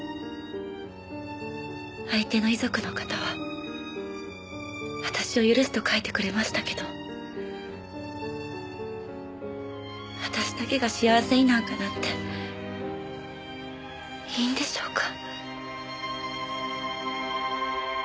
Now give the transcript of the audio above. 相手の遺族の方は私を許すと書いてくれましたけど私だけが幸せになんかなっていいんでしょうか？